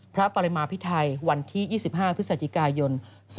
พระปริมาพิไทยวันที่๒๕พฤศจิกายน๒๕๖